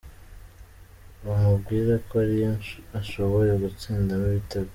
Mubwira ko ariyo ashoboye gutsindamo ibitego.